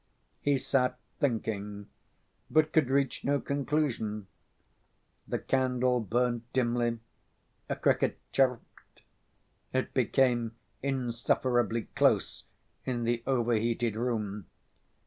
He sat thinking, but could reach no conclusion. The candle burnt dimly, a cricket chirped; it became insufferably close in the overheated room.